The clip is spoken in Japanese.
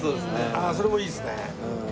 ああそれもいいですね。